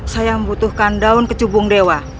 saya membutuhkan daun kecubung dewa